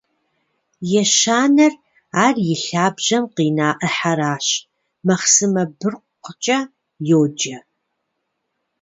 Ещанэр, ар и лъабжьэм къина ӏыхьэращ, махъсымэ быркъукӏэ йоджэ.